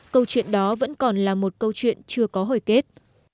câu chuyện đó vẫn còn là một câu chuyện chưa có hồi kết